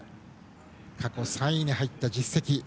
過去３位に入った実績。